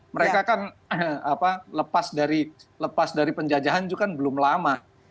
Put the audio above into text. mereka kan lepas dari penjajahan itu kan belum lama